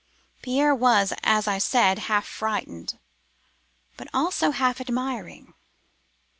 "Pierre was, as I said, half frightened; but also half admiring.